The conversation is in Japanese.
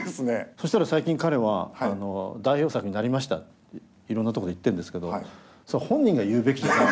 そしたら最近彼は代表作になりましたっていろんなとこで言ってんですけど本人が言うべきじゃない。